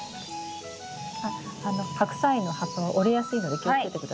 あっハクサイの葉っぱは折れやすいので気をつけて下さいね。